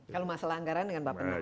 kalau masalah anggaran dengan bapak